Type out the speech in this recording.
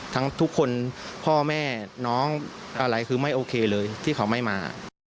ทุกคนพ่อแม่น้องอะไรคือไม่โอเคเลยที่เขาไม่มา